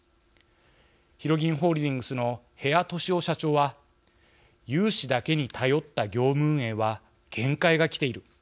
ひろぎんホールディングスの部谷俊雄社長は「融資だけに頼った業務運営は限界が来ている。